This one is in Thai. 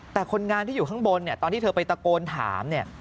แต่คนงานที่อยู่ข้างบนตอนที่เธอไปตะโกนถาม